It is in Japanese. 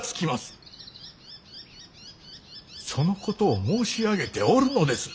そのことを申し上げておるのです。